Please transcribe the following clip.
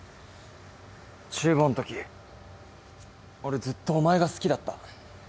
中坊んとき俺ずっとお前が好きだった。